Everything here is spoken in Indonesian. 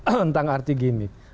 tentang arti gimmick